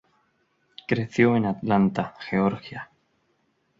Creció en Atlanta, Georgia.